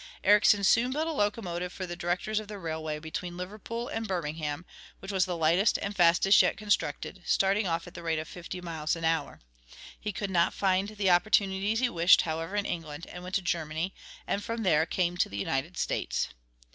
Ericsson soon built a locomotive for the directors of the railway between Liverpool and Birmingham which was the lightest and fastest yet constructed, starting off at the rate of fifty miles an hour. He could not find the opportunities he wished, however, in England, and went to Germany, and from there came to the United States.